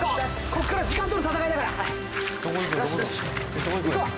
ここから時間との戦いだからどこ行くん？